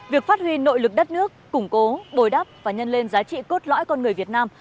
việc phát huy nội lực đất nước củng cố bồi đắp và nhân lên giá trị cốt lõi con người việt nam